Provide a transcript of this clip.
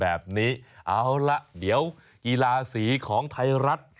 แบบนี้เอาละเดี๋ยวกีฬาสีของไทยรัฐ